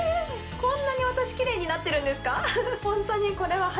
こんなに私キレイになってるんですか？